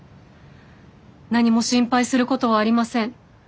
何も心配することはありません。